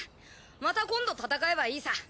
また今度戦えばいいさ。